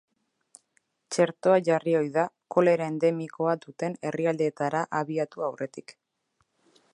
Txertoa jarri ohi da kolera endemikoa duten herrialdeetara abiatu aurretik.